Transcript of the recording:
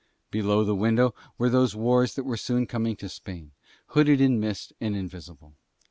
Below the window were those wars that were soon coming to Spain, hooded in mist and invisible.